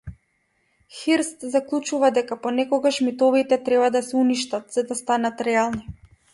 Хирст заклучува дека понекогаш митовите треба да се уништат за да станат реални.